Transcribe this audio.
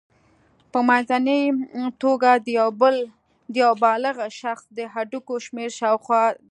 په منځنۍ توګه د یو بالغ شخص د هډوکو شمېر شاوخوا دی.